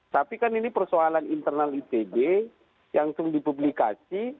tapi kan ini persoalan internal itb yang dipublikasi